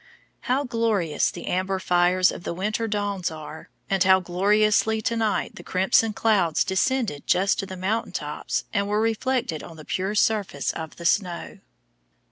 How glorious the amber fires of the winter dawns are, and how gloriously to night the crimson clouds descended just to the mountain tops and were reflected on the pure surface of the snow!